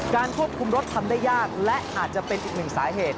ควบคุมรถทำได้ยากและอาจจะเป็นอีกหนึ่งสาเหตุ